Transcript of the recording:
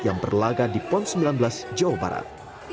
yang berlaga di pon sembilan belas jawa barat